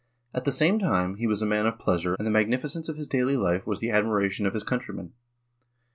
At the same time, he was a man of pleasure and the magnificence of his daily life was the admiration of his country men.